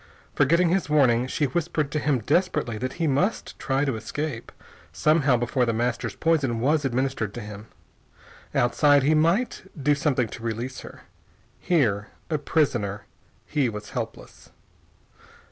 Forgetting his warning, she whispered to him desperately that he must try to escape, somehow, before The Master's poison was administered to him. Outside, he might do something to release her. Here, a prisoner, he was helpless.